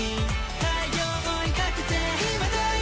太陽追いかけて今だよ